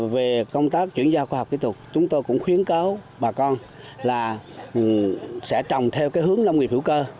về công tác chuyển giao khoa học kỹ thuật chúng tôi cũng khuyến cáo bà con là sẽ trồng theo hướng nông nghiệp hữu cơ